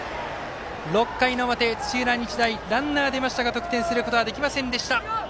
６回の表、土浦日大ランナー出ましたが得点することはできませんでした。